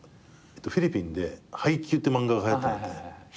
フィリピンで『ハイキュー！！』って漫画がはやってんだって。